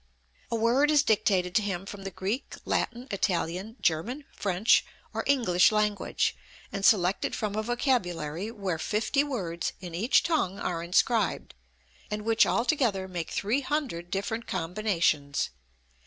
A word is dictated to him from the Greek, Latin, Italian, German, French, or English language, and selected from a vocabulary where fifty words in each tongue are inscribed, and which all together make three hundred different combinations.